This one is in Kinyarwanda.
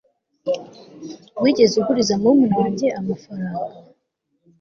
wigeze uguriza murumuna wanjye amafaranga